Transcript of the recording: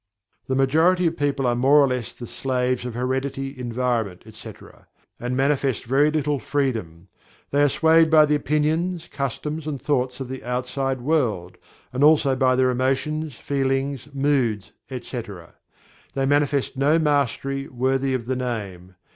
The majority of people are more or less the slaves of heredity, environment, etc., and manifest very little Freedom. They are swayed by the opinions, customs and thoughts of the outside world, and also by their emotions, feelings, moods, etc. They manifest no Mastery, worthy of the name.